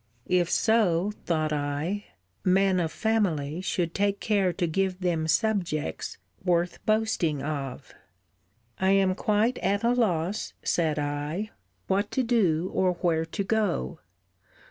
If so, thought I, men of family should take care to give them subjects worth boasting of. I am quite at a loss, said I, what to do or where to go.